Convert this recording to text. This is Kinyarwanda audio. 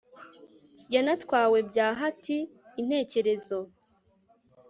yanatwawe byahati intekerezo